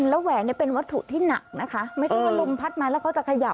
แล้วแหวนเนี่ยเป็นวัตถุที่หนักนะคะไม่ใช่ว่าลมพัดมาแล้วเขาจะขยับ